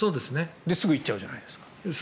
すぐ行っちゃうじゃないですか。